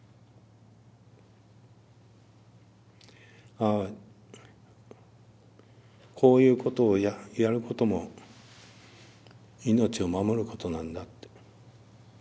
ああこういうことをやることも命を守ることなんだって。